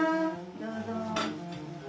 どうぞ。